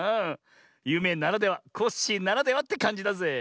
ゆめならではコッシーならではってかんじだぜ。